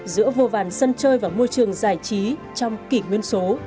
giữa vô vàn sân chơi và môi trường giải trí trong kỷ nguyên số